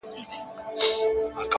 • د طلا او جواهر حساب به کیږي ,